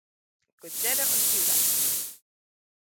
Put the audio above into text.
Go deireadh an chiú leat!